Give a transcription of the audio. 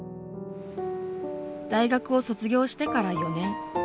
大学を卒業してから４年。